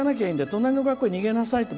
隣の学校に逃げなさいって